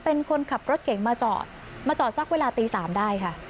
เป็นคนขับรถเก่งมาจอดมาจอดสักเวลาตี๓ได้ค่ะ